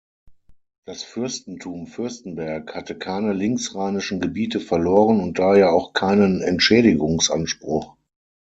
Das Fürstentum Fürstenberg hatte keine linksrheinischen Gebiete verloren und daher auch keinen Entschädigungsanspruch.